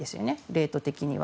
レート的には。